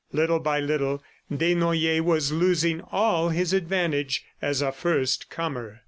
Little by little, Desnoyers was losing all his advantage as a first comer.